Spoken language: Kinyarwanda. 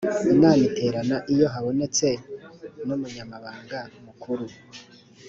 inama iterana iyo habonetse n’umunyamabanga mukuru